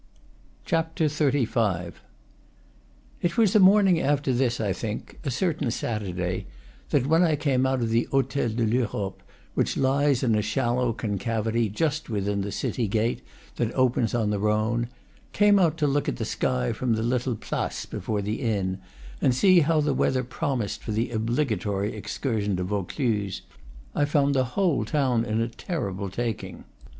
XXXV. It was the morning after this, I think (a certain Saturday), that when I came out of the Hotel de l'Europe, which lies in a shallow concavity just within the city gate that opens on the Rhone, came out to look at the sky from the little place before the inn, and see how the weather promised for the obligatory excursion to Vaucluse, I found the whole town in a terrible taking.